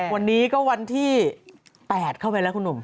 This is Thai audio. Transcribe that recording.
วันนี้ก็วันที่๘เข้าไปแล้วคุณหนุ่ม